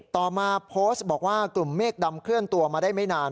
ต่อมาโพสต์บอกว่ากลุ่มเมฆดำเคลื่อนตัวมาได้ไม่นาน